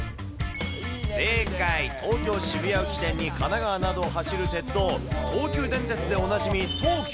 正解、東京・渋谷を起点に、神奈川などを走る鉄道、東急電鉄でおなじみ、東急。